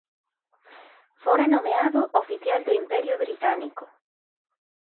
Fora nomeado oficial do Imperio Británico.